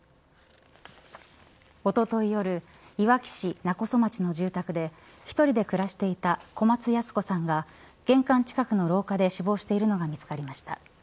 おととい夜いわき市勿来町の住宅で１人で暮らしていた小松ヤス子さんが玄関近くの廊下で死亡しているのが見つかりました。